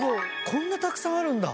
こんなたくさんあるんだ。